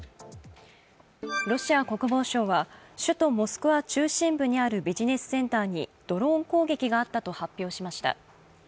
ロシア国防省は首都モスクワ中心部にあるビジネスセンターにドローン攻撃があったと発表しました。